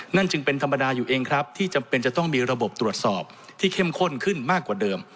นั่นจึงเป็นธรรมดาอยู่เองครับที่จำเป็นจะต้องมีระบบตรวจสอบที่เข้มข้นขึ้นมากกว่าเดิม